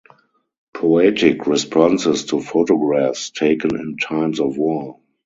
Poetic responses to photographs taken in times of war.